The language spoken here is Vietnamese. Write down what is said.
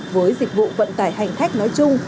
với dịch vụ vận tải hành khách nói chung